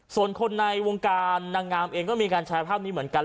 ส่วนคนในวงการนางงามเองก็มีการแชร์ภาพนี้เหมือนกัน